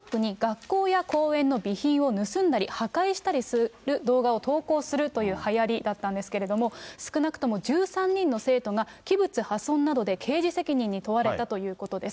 これ、ＴｉｋＴｏｋに学校や公園の備品を盗んだり、破壊したり動画を投稿するというはやりだったんですけれども、少なくとも１３人の生徒が、器物破損などで刑事責任に問われたということです。